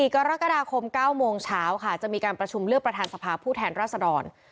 ๔กรกฎาคม๙โมงเช้าค่ะจะมีการประชุมเลือกประธานสภาผู้แทนราษดร